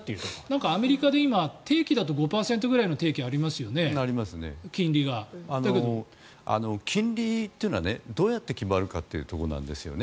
今、アメリカで定期だと５％ぐらいの金利が金利というのはどうやって決まるかというところなんですよね。